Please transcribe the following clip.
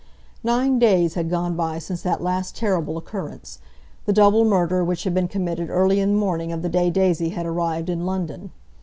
Nine days had gone by since that last terrible occurrence, the double murder which had been committed early in the morning of the day Daisy had arrived in London.